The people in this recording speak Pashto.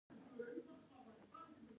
د ژمي سړه هوا بدن ته انرژي کموي.